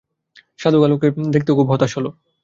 সাধু কালু খাঁ-কে দেখেও খুব হতাশ হতে হল।